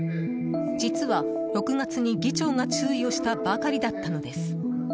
実は、６月に議長が注意をしたばかりだったのです。